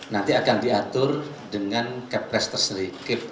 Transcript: nanti akan diatur dengan caprice tersendiri